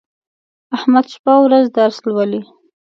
احمد شپه او ورځ درس لولي.